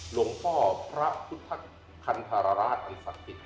หลวงพ่อพระพุทธคัณฐาราชรักษิต